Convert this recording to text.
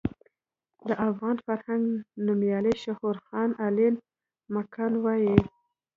د افغان فرهنګ نومیالی شعور خان علين مکان وايي.